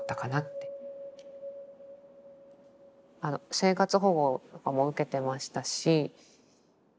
生活保護とかも受けてましたし。